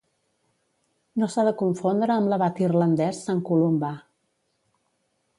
No s'ha de confondre amb l'abat irlandès Sant Columbà.